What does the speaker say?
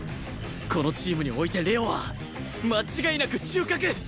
このチームにおいて玲王は間違いなく中核！